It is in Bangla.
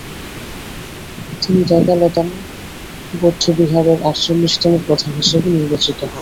তিনি দ্গা'-ল্দান বৌদ্ধবিহারের আটচল্লিশতম প্রধান হিসেবে নির্বাচিত হন।